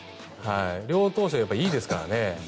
両投手がいいですからね。